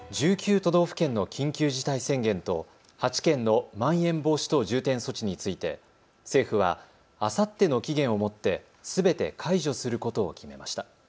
都道府県の緊急事態宣言と８県のまん延防止等重点措置について政府はあさっての期限をもってすべて解除することを決めました。